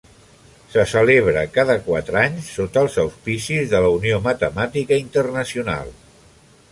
Se celebra cada quatre anys sota els auspicis de la Unió Matemàtica Internacional.